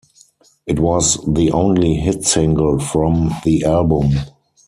It was the only hit single from the album.